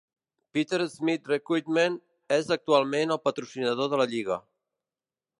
Peter Smith Recruitment és actualment el patrocinador de la lliga.